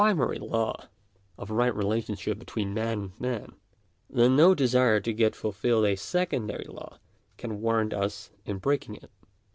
89 mary law of right relationship between man and man, then no desire to get fulfilled a secondary law can warrant us in break ing it.